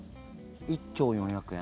１丁４００円。